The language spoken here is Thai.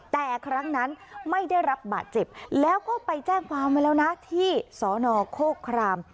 แต่ครั้งนั้นไม่ได้รับบาดเจ็บแล้วก็ไปแจ้งความไว้แล้วนะที่สนโคคราม